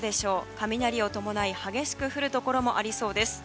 雷を伴い激しく降るところもありそうです。